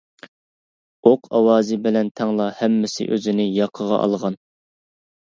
ئوق ئاۋازى بىلەن تەڭلا ھەممىسى ئۆزىنى ياقىغا ئالغان.